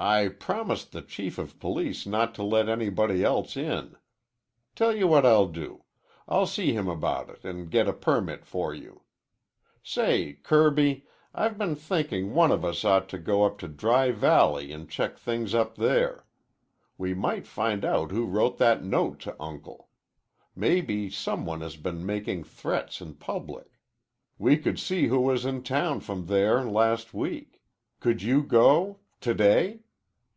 "I promised the Chief of Police not to let anybody else in. Tell you what I'll do. I'll see him about it and get a permit for you. Say, Kirby, I've been thinking one of us ought to go up to Dry Valley and check things up there. We might find out who wrote that note to Uncle. Maybe some one has been making threats in public. We could see who was in town from there last week. Could you go? To day?